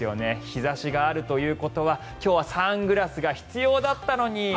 日差しがあるということは今日はサングラスが必要だったのに！